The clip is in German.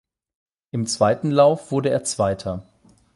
Im zweiten Lauf wurde er Zweiter.